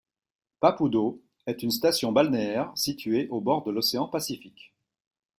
Papudo est une station balnéaire située au bord de l'Océan Pacifique.